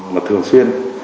mà thường xuyên